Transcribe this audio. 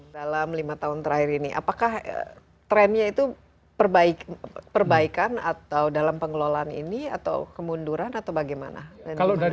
dalam lima tahun terakhir ini apakah trennya itu perbaikan atau dalam pengelolaan ini atau kemunduran atau bagaimana